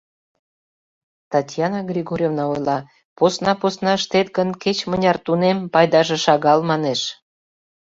Татьяна Григорьевна ойла: посна-посна ыштет гын, кеч-мыняр тунем, пайдаже шагал, манеш.